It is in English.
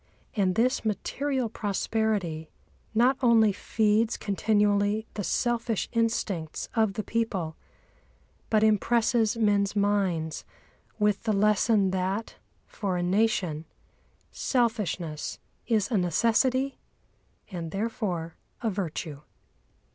And this material prosperity not only feeds continually the selfish instincts of the people, but impresses men's minds with the lesson that, for a nation, selfishness is a necessity and therefore a virtue.